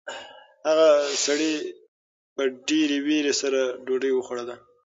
هغه سړي په ډېرې وېرې سره ډوډۍ خوړله.